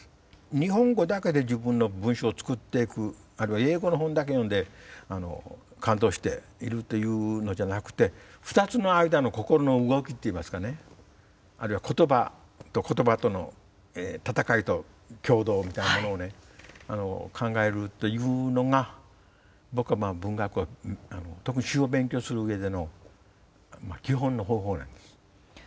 日本語だけで自分の文章を作っていくあるいは英語の本だけ読んで感動しているというのじゃなくて２つの間の心の動きっていいますかねあるいは言葉と言葉との闘いと共同みたいなものをね考えるというのが僕は文学特に詩を勉強するうえでの基本の方法なんです。